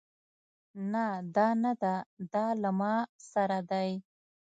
نه دا نده دا له ما سره دی